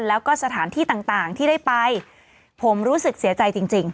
แล้วก็สถานที่ต่างที่ได้ไปผมรู้สึกเสียใจจริง